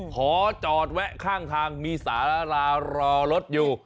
ขอจอดแวะข้างทางมีสารารอรถอยู่